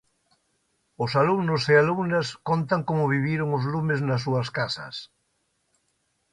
Os alumnos e alumnas contan como viviron os lumes nas súas casas.